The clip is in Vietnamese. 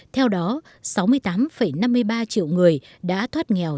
theo đó sáu mươi tám năm mươi ba triệu người đã thoát nghèo